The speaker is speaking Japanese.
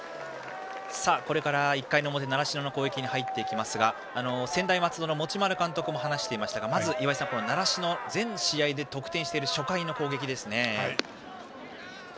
これから１回の表、習志野の攻撃に入りますが専大松戸の持丸監督も話していましたが、まず習志野全試合で得点している初回の攻撃。